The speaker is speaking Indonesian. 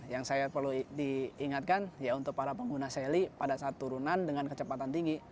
yang saya perlu diingatkan ya untuk para pengguna seli pada saat turunan dengan kecepatan tinggi